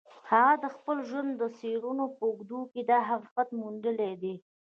هغه د خپل ژوند د څېړنو په اوږدو کې دا حقیقت موندلی دی